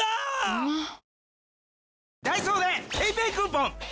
うまっ！！